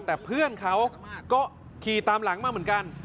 แต่เพื่อนเขาก็ขี่ตามหลังมาเหมือนกัน